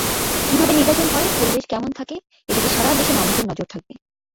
কীভাবে নির্বাচন হয়, পরিবেশ কেমন থাকে—এদিকে সারা দেশের মানুষের নজর থাকবে।